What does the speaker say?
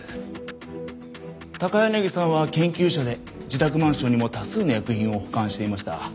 高柳さんは研究者で自宅マンションにも多数の薬品を保管していました。